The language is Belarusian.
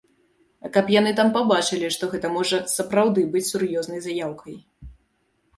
А каб яны там пабачылі, што гэта можа сапраўды быць сур'ёзнай заяўкай.